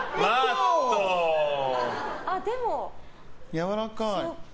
やわらかい。